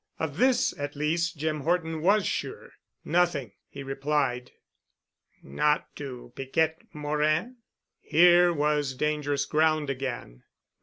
Of this at least Jim Horton was sure. "Nothing," he replied. "Not to Piquette Morin?" Here was dangerous ground again.